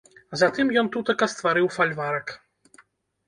Затым ён тутака стварыў фальварак.